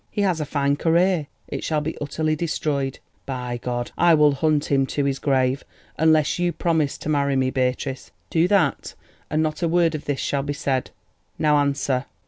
He has a fine career; it shall be utterly destroyed. By God! I will hunt him to his grave, unless you promise to marry me, Beatrice. Do that, and not a word of this shall be said. Now answer."